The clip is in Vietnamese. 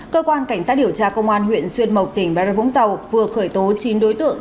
cơ quan cảnh sát điều tra công an huyện xuyên mộc tỉnh bà rập vũng tàu vừa khởi tố chín đối tượng